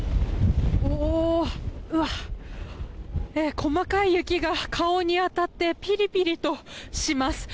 細かい雪が顔に当たってピリピリとします。